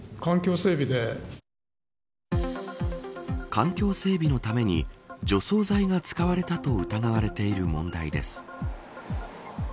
環境整備のために除草剤が使われたと疑われている問題です。